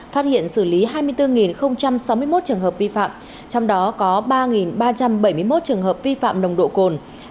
phát hiện xử lý hai mươi bốn sáu mươi một trường hợp vi phạm trong đó có ba ba trăm bảy mươi một trường hợp vi phạm nồng độ cồn